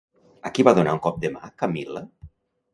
A qui va donar un cop de mà Camil·la?